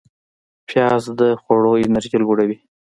پیاز د خواړو انرژی لوړوي